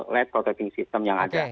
let proteksi sistem yang ada